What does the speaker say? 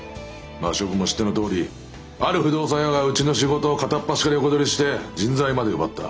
まあ諸君も知ってのとおりある不動産屋がうちの仕事を片っ端から横取りして人材まで奪った。